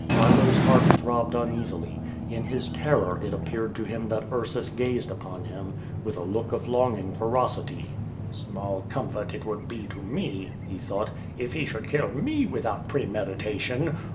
C'hilo's heart throbbed un easily. In his terror it appeared to him that Ursus gazed upon him with a look of longing ferocity. "Small comfort it would be to me/' he thought, "if he should kill me without premeditation.